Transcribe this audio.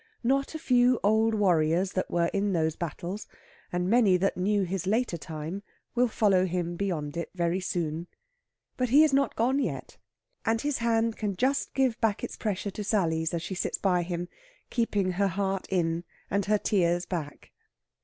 Not a few old warriors that were in those battles, and many that knew his later time, will follow him beyond it very soon. But he is not gone yet, and his hand can just give back its pressure to Sally's, as she sits by him, keeping her heart in and her tears back.